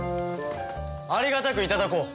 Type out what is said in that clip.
ありがたくいただこう！